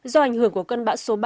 do ảnh hưởng của cơn bão số ba